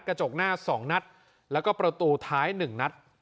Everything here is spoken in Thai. กระจกหน้า๒นัดแล้วก็ประตูท้าย๑นัด